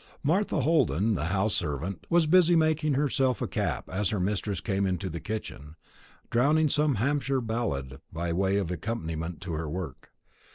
Martha Holden, the house servant, was busy making herself a cap as her mistress came into the kitchen, droning some Hampshire ballad by way of accompaniment to her work.